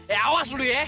eh awas lu ya